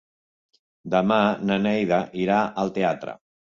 Demà na Neida irà al teatre.